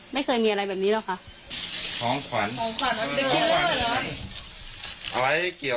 อ๋อแม่ก็มีหลายอันนั้นนะ